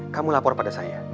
kamu lapor pada saya